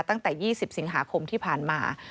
ตั้งแต่๒๐สิงหาคมที่ผ่านมา